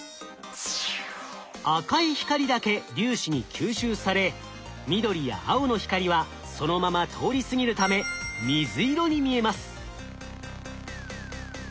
赤い光だけ粒子に吸収され緑や青の光はそのまま通り過ぎるため水色に見えます。